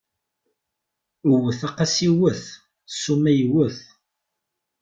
Wwet a qasi wwet, ssuma yiwet!